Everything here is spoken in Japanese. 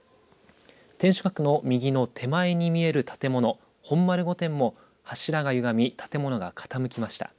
天守閣の右の手前に見える建物、本丸御殿も柱がゆがみ、建物が傾きました。